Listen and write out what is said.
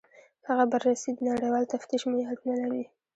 هغه بررسي د نړیوال تفتیش معیارونه لري.